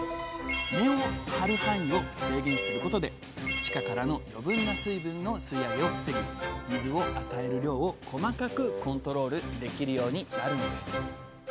根を張る範囲を制限することで地下からの余分な水分の吸い上げを防ぎ水を与える量を細かくコントロールできるようになるのです。